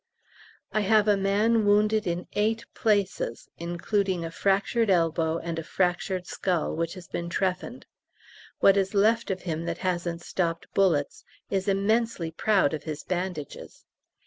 I have a man wounded in eight places, including a fractured elbow and a fractured skull, which has been trephined. What is left of him that hasn't stopped bullets is immensely proud of his bandages!